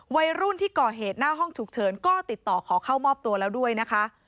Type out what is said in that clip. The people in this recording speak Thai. วัยรุ่นที่ก่อเหตุหน้าห้องฉุกเฉินก็ติดต่อขอเข้ามอบตัวแล้วด้วยนะคะ